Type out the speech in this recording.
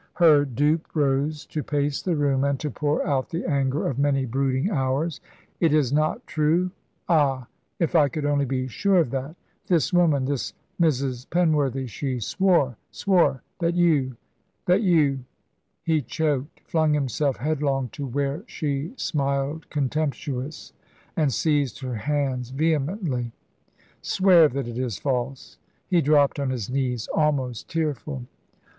Her dupe rose to pace the room, and to pour out the anger of many brooding hours. "It is not true ah, if I could only be sure of that. This woman this Mrs. Penworthy she swore swore that you that you " He choked, flung himself headlong to where she smiled contemptuous, and seized her hands vehemently. "Swear that it is false!" He dropped on his knees, almost tearful.